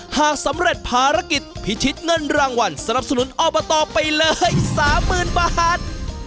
หากสำเร็จภารกิจพิชิตเงินรางวัลสนับสนุนอบตไปเลย๓๐๐๐บาท